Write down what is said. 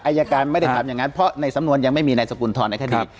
อายการไม่ได้ทำอย่างนั้นเพราะในสำนวนยังไม่มีนายสกุลทรในคดี